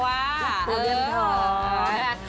ตัวจริง